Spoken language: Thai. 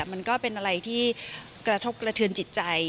มันก็เป็นอะไรที่กระทบกระเทือนจิตใจ